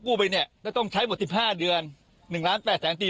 น่ามาเจาะว่าต้องการจะยิงที่ต้องการยิงพี่